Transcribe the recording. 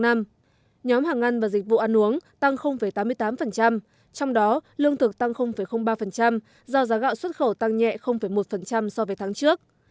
nhóm hàng ăn và dịch vụ ăn uống tăng tám mươi tám trong đó lương thực tăng ba do giá gạo xuất khẩu tăng nhẹ một so với tháng trước